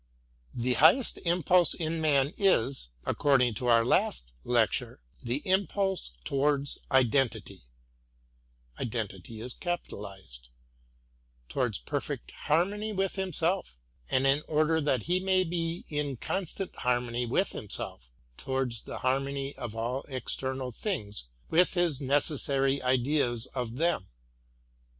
The highest impulse in man is, according to our last lecture, the impulse towards Identity, — towards perfect harmony with himself; — and in order that he maybe in constant harmony with himself, — towards the harmony of [Jl external things with his necessary ideas of them.